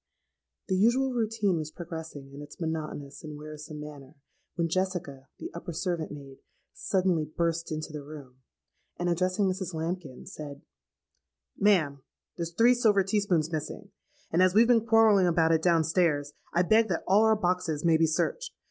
"The usual routine was progressing in its monotonous and wearisome manner, when Jessica, the upper servant maid, suddenly burst into the room, and, addressing Mrs. Lambkin, said, 'Ma'am, there's three silver tea spoons missing; and as we've been quarrelling about it down stairs, I beg that all our boxes may be searched.